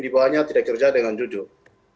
di bawahnya tidak kerja dengan jujur